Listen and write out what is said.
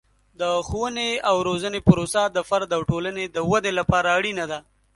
د ښوونې او روزنې پروسه د فرد او ټولنې د ودې لپاره اړینه ده.